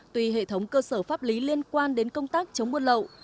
tùy hệ thống cơ sở pháp lý liên quan đến công tác chống buôn lậu